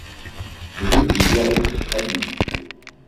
Rue du Garric, Albi